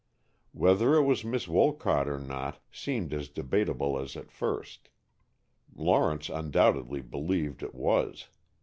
Whether it was Miss Wolcott or not seemed as debatable as at first. Lawrence undoubtedly believed it was.